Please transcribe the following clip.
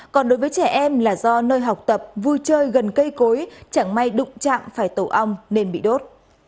còn đối với trẻ em là do nơi học tập vui chơi gần cây cối chẳng may đụng chạm phải tổ ong nên bị đốt